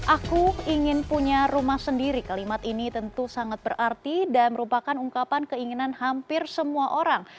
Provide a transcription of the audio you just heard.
aku ingin punya rumah sendiri kalimat ini tentu sangat berarti dan merupakan ungkapan keinginan hampir semua orang